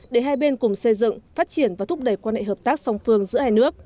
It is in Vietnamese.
để hai bên cùng xây dựng phát triển và thúc đẩy quan hệ hợp tác song phương giữa hai nước